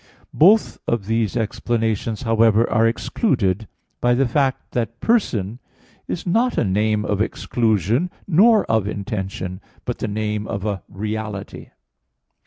Both of these explanations, however, are excluded by the fact that "person" is not a name of exclusion nor of intention, but the name of a reality.